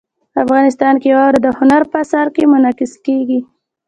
افغانستان کې واوره د هنر په اثار کې منعکس کېږي.